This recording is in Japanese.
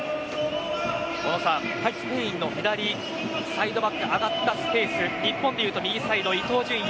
小野さん、スペインの左サイドバック上がったスペース日本でいうと右サイド伊東純也。